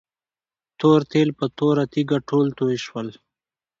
تور تیل په توره تيږه ټول توي شول.